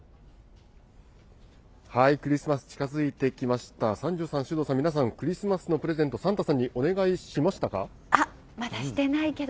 クリスマス近づいてきました、三條さん、首藤さん、クリスマスのプレゼント、サンタさんにお願いしましたあっ、まだしてないけど。